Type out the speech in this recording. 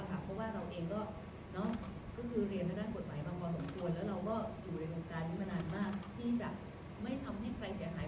เหมือนว่าเราเองก็เรียน๓๒๐คิดว่าไม่ทำให้ใครเสียหาย